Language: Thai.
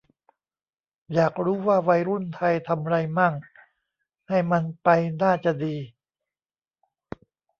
อยากรู้ว่าวัยรุ่นไทยทำไรมั่ง ให้มันไปน่าจะดี